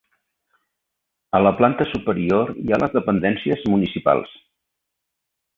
A la planta superior hi ha les dependències municipals.